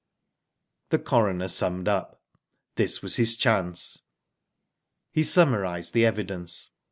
The coroner summed up. This was hrs chance. He summarised the evidence.